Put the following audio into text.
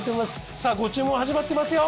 さあご注文始まってますよ！